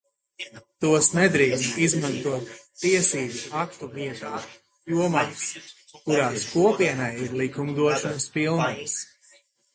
Tos nedrīkst izmantot tiesību aktu vietā jomās, kurās Kopienai ir likumdošanas pilnvaras.